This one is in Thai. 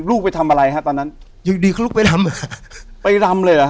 ลูกไปทำอะไรฮะตอนนั้นอย่างดีเขารุกไปรำไปรำเลยหรอฮะ